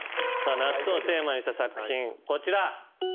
夏をテーマにした作品こちら。